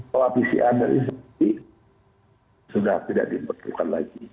kalau pcr dari saudi sudah tidak diperlukan lagi